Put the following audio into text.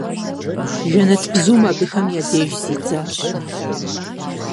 Жэнэтбзум абыхэм я деж зидзащ.